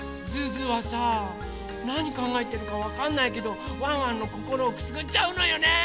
ズズはさなにかんがえてるかわかんないけどワンワンのこころをくすぐっちゃうのよね。